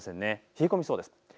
冷え込みそうです。